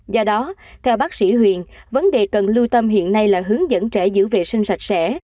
do đó theo bác sĩ huyền vấn đề cần lưu tâm hiện nay là hướng dẫn trẻ giữ vệ sinh sạch sẽ